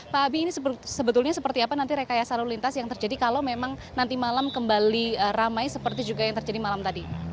pak abi ini sebetulnya seperti apa nanti rekayasa lalu lintas yang terjadi kalau memang nanti malam kembali ramai seperti juga yang terjadi malam tadi